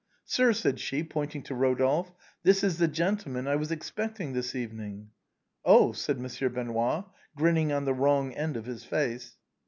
Sir," said she, pointing to Rodolphe, " this is the gen tleman I was expecting this evening." " Oh !" said Monsieur Benoît, grinning on the wrong side of his face.